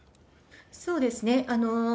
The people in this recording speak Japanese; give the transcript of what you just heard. そうですね。